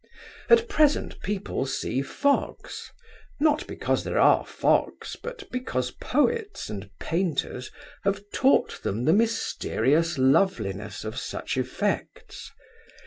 At present, people see fogs, not because there are fogs, but because poets and painters have taught them the mysterious loveliness of such effects.